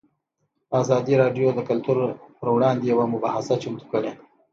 ازادي راډیو د کلتور پر وړاندې یوه مباحثه چمتو کړې.